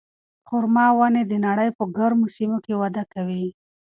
خورما ونې د نړۍ په ګرمو سیمو کې وده کوي.